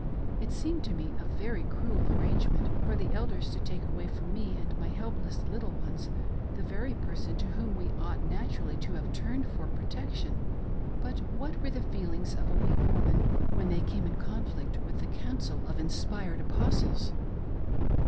It seemed to me a very cruel arrangement for the Elders to take away from me and my helpless little ones the very person to whom we ought naturally to have turned for protection; but what were the feelings of a weak woman when they came in conflict with the " counsel " of inspired Apostles